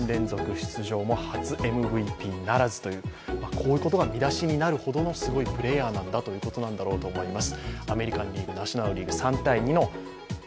こういうことが見出しになるくらいのすごいプレーヤーなんだろうと思います。